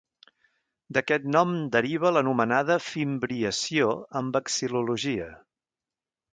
D'aquest nom deriva l'anomenada fimbriació en vexil·lologia.